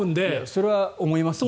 それは思いますね